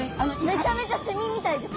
めちゃめちゃセミみたいです。